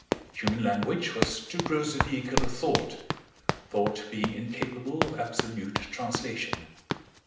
Human language was too gross a vehicle of thought—thought being incapable of absolute translation.